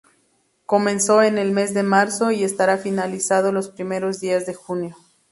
Comenzó en el mes de marzo y estará finalizado los primeros días de junio.